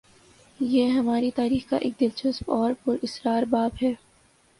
یہ ہماری تاریخ کا ایک دلچسپ اور پر اسرار باب ہے۔